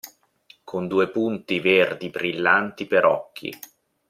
Con due punti verdi brillanti per occhi.